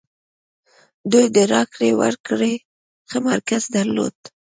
دوی د راکړې ورکړې ښه مرکز درلود.